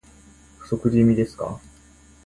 不足気味ですか